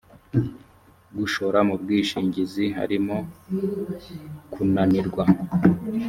gushora mu bwishingizi harimo kunanirwa